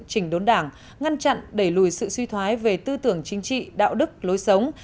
chỉnh đốn đảng ngăn chặn đẩy lùi sự suy thoái về tư tưởng chính trị đạo đức lối sống